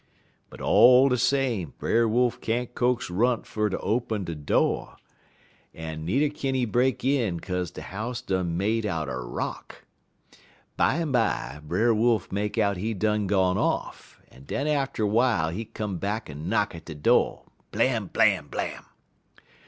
_' "But all de same, Brer Wolf can't coax Runt fer ter open de do', en needer kin he break in, kaze de house done made outer rock. Bimeby Brer Wolf make out he done gone off, en den atter while he come back en knock at de do' _blam, blam, blam!